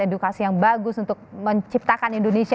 edukasi yang bagus untuk menciptakan indonesia